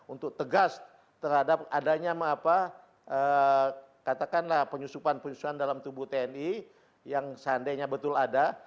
untuk tegas terhadap adanya katakanlah penyusupan penyusupan dalam tubuh tni yang seandainya betul ada